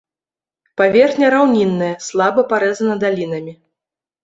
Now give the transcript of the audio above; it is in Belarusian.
Паверхню раўнінная, слаба парэзана далінамі.